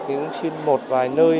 mình cũng xin một vài nơi